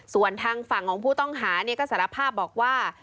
ส่วนทางฝั่งของผู้ต้องหาก็สารภาพบอกว่า